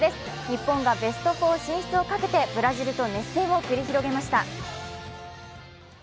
日本がベスト４進出をかけてブラジルと熱戦を繰り広げました。